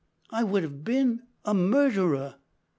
I would have been a murderer!